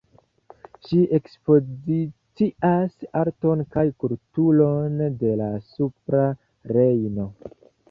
Ĝi ekspozicias arton kaj kulturon de la Supra Rejno.